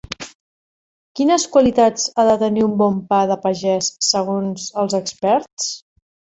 Quines qualitats ha de tenir un bon pa de pagès segons els experts?